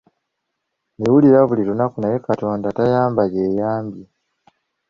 Mbiwulira buli lunaku naye katonda tayamba yeyambye?